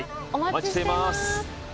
お待ちしています